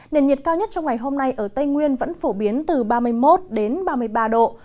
nền nhiệt cao nhất trong ngày hôm nay ở tây nguyên vẫn phổ biến từ ba mươi một ba mươi ba độ